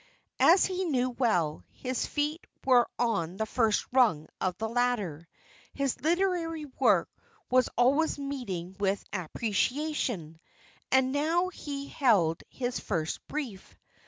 As he knew well, his feet were on the first rung of the ladder. His literary work was already meeting with appreciation, and now he held his first brief.